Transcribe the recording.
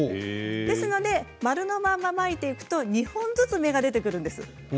ですので丸のまままいていくと２本ずつ芽が出てくるんです。